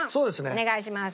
お願いします。